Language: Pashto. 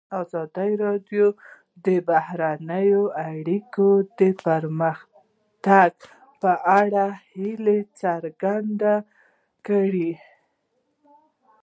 ازادي راډیو د بهرنۍ اړیکې د پرمختګ په اړه هیله څرګنده کړې.